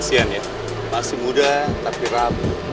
kasian ya masih muda tapi rame